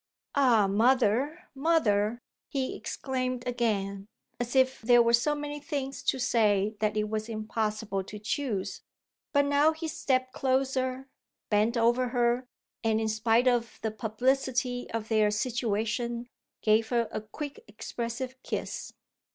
"Ah mother, mother!" he exclaimed again as if there were so many things to say that it was impossible to choose. But now he stepped closer, bent over her and in spite of the publicity of their situation gave her a quick expressive kiss.